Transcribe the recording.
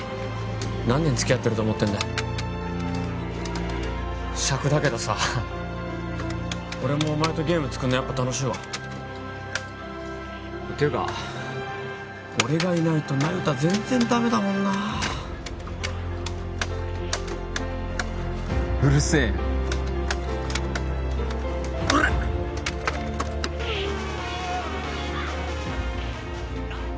何年つきあってると思ってんだしゃくだけどさ俺もお前とゲーム作るのやっぱ楽しいわていうか俺がいないと那由他全然ダメだもんなうるせえよおらっ